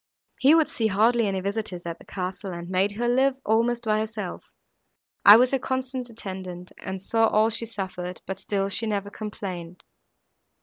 He would see hardly any visitors at the castle, and made her live almost by herself. I was her constant attendant, and saw all she suffered, but still she never complained.